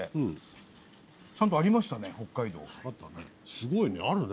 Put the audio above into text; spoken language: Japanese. すごいねあるね。